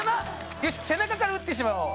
「よし背中から撃ってしまおう。